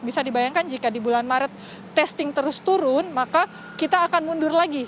bisa dibayangkan jika di bulan maret testing terus turun maka kita akan mundur lagi